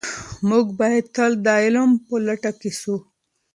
موږ باید تل د علم په لټه کې سو.